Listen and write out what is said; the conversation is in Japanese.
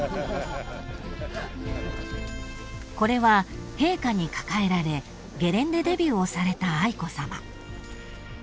［これは陛下に抱えられゲレンデデビューをされた愛子さま］